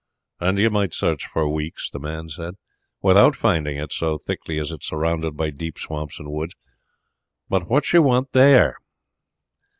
"And you might search for weeks," the man said, "without finding it, so thickly is it surrounded by deep swamps and woods. But what want ye there?"